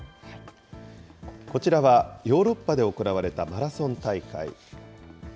こちらはヨーロッパで行われたマラソン大会。